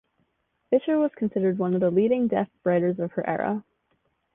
Fischer was considered one of the leading deaf writers of her era.